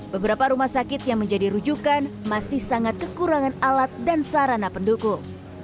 beberapa rumah sakit yang menjadi rujukan masih sangat kekurangan alat dan sarana pendukung